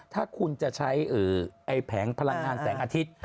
ถ้าคุณจะใช้แผงพลังงานแสงอาทิตย์